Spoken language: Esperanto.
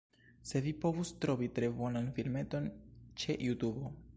Se vi povus trovi tre bonan filmeton ĉe Jutubo